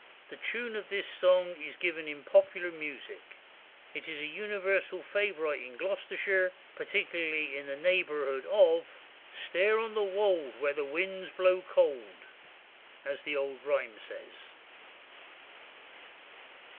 The tune of this song is given in Popular Music. It is a universal favourite in Gloucestershire, particularly in the neighbourhood of 'Stair on the wold, Where the winds blow cold,' as the old rhyme says.